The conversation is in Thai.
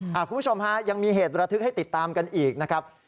คุณผู้ชมฮะยังมีเหตุระทึกให้ติดตามกันอีกนะครับ